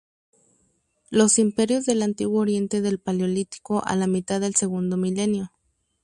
Los Imperios del Antiguo Oriente del Paleolítico a la mitad del segundo milenio.